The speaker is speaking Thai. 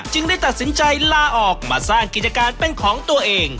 ได้ตัดสินใจลาออกมาสร้างกิจการเป็นของตัวเอง